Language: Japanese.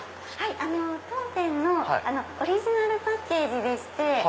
当店のオリジナルパッケージでして。